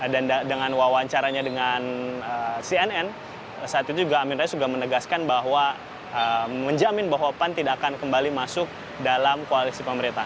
dan dengan wawancaranya dengan cnn saat itu juga amin rais juga menegaskan bahwa menjamin bahwa pan tidak akan kembali masuk dalam koalisi pemerintah